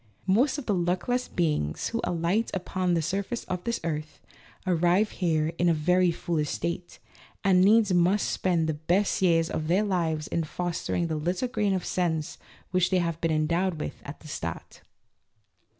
Most of the luckless beings who alight upon the surface of this earth arrive here in a very foolish state, and needs must spend the best years of their lives in fostering the little grain of sense which they have been endowed with at the start.